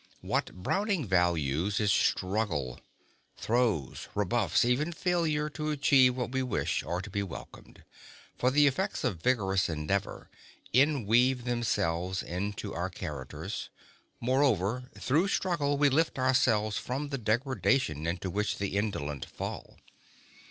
What Browning values is struggle. Throes, rebuffs, even failure to achieve what we wish, are to be welcomed, for the effects of vigorous endeavor inweave themselves into our characters; moreover through struggle we lift ourselves from the degradation into which the indolent fall.